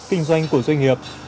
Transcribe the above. kinh doanh của doanh nghiệp